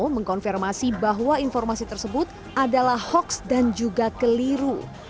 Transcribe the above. mengkonfirmasi bahwa informasi tersebut adalah hoaks dan juga keliru